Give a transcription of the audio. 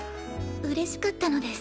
嬉しかったのです。